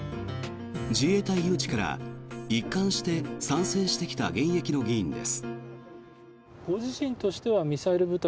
自衛隊誘致から一貫して賛成してきた現役の議員です。